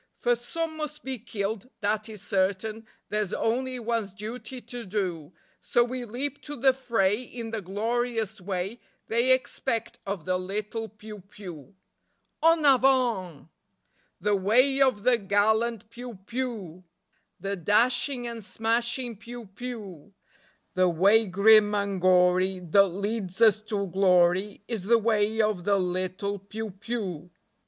For some must be killed, that is certain; There's only one's duty to do; So we leap to the fray in the glorious way They expect of the little piou piou. En avant! The way of the gallant piou piou, The dashing and smashing piou piou; The way grim and gory that leads us to glory Is the way of the little piou piou.